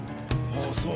ああそう。